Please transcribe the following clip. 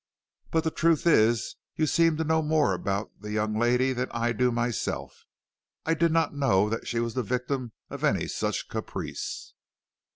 But the truth is you seem to know more about the young lady than I do myself. I did not know that she was the victim of any such caprice."